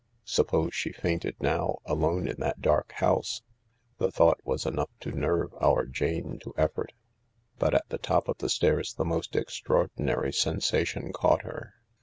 Suppose she fainted now — alone in that dark house ? The thought was enough to nerve our Jane to effort. But at the top of the stairs the most extraordinary sensation caught her.